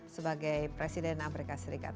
sebagai presiden amerika serikat